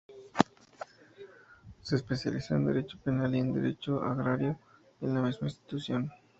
Se especializó en Derecho Penal y en Derecho Agrario en la misma institución.